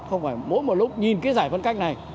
không phải mỗi một lúc nhìn cái giải phân cách này